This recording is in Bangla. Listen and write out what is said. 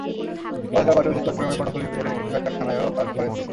পড়ালেখার পাশাপাশি চট্টগ্রামের কর্ণফুলী ইপিজেডের একটি পোশাক কারাখানায়ও কাজ করেন তিনি।